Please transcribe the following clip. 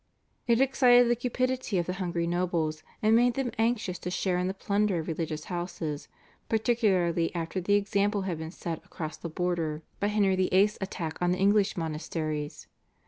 It excited the cupidity of the hungry nobles, and made them anxious to share in the plunder of religious houses, particularly after the example had been set across the border by Henry VIII.'s attack on the English monasteries.